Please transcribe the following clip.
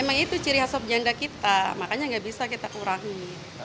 emang itu ciri sobjanda kita makanya gak bisa kita kurangi